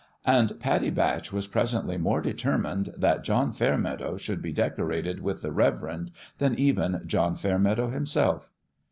And Pattie Batch was presently more determined that John Fairmeadow should be decorated with "The Reverend " than even John Fairmeadow himself.